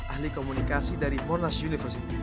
ahli komunikasi dari monas university